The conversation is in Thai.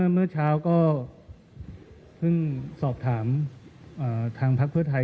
เมื่อเช้าก็เพิ่งสอบถามทางพักเพื่อไทย